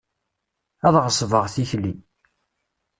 Ad ɣesbeɣ tikli.